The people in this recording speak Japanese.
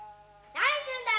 何すんだよ！